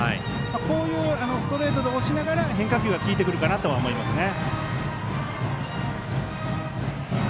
こういうストレートで押しながら変化球が効いてくるかなと思いますね。